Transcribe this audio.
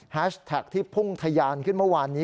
แท็กที่พุ่งทะยานขึ้นเมื่อวานนี้